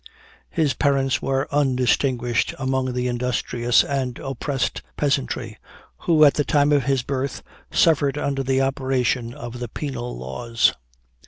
His parents were undistinguished amongst the industrious and oppressed peasantry, who at the time of his birth suffered under the operation of the penal laws.